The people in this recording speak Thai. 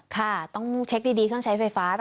ค่ะต้องเช็คดีเครื่องใช้ไฟฟ้า